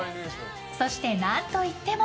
そして、何といっても。